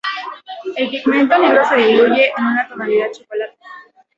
El pigmento negro se diluye a una tonalidad chocolate.